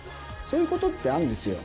そういう事ってあるんですよ。